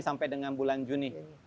sampai dengan bulan juni